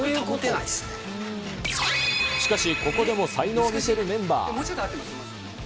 しかし、ここでも才能を見せるメンバー。